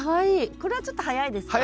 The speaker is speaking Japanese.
これはちょっと早いですか？